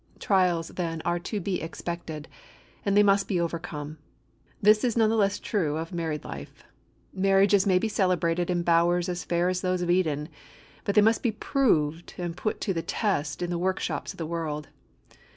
Trials, then, are to be expected, and they must be overcome. This is none the less true of married life. Marriages may be celebrated in bowers as fair as those of Eden, but they must be proved and put to test in the workshops of the world.